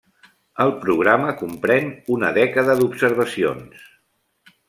El programa comprèn una dècada d'observacions.